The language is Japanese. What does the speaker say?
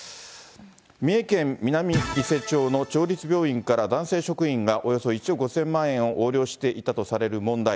三重県南伊勢町の町立病院から男性職員が、およそ１億５０００万円を横領していたとされる問題。